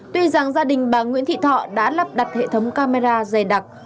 tuy rằng gia đình bà nguyễn thị thọ đã lắp đặt hệ thống camera dày đặc